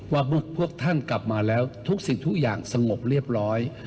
ว่าพวกท่านกลับมาแล้วทุกสิ่งทุกอย่างสงบเรียบร้อย